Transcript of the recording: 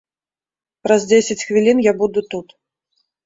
Праз дзесяць хвілін я буду тут.